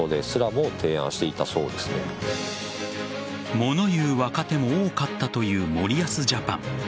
物言う若手も多かったという森保ジャパン。